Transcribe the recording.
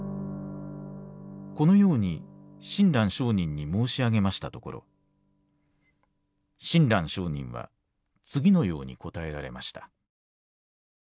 このように親鸞聖人に申しあげましたところ親鸞聖人は次のように答えられました。